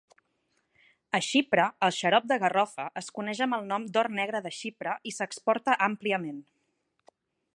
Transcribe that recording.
A Xipre, el xarop de garrofa es coneix amb el nom d'or negre de Xipre i s'exporta àmpliament.